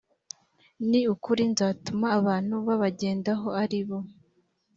ni ukuri nzatuma abantu babagendaho ari bo